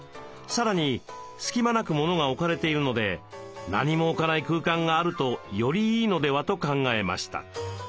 さらに隙間なくモノが置かれているので何も置かない空間があるとよりいいのではと考えました。